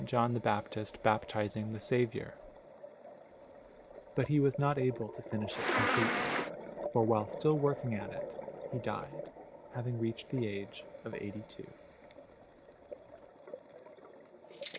John the Baptist baptizing the Saviour; but he was not able to finish it completely, for while still working at it he died, having reached the age of eighty two.